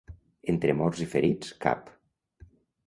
Entre morts i ferits, cap.